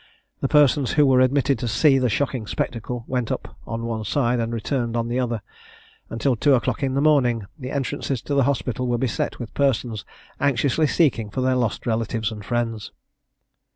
The persons who were admitted to see the shocking spectacle went up on one side, and returned on the other. Until two o'clock in the morning, the entrances to the hospital were beset with persons anxiously seeking for their lost relatives and friends.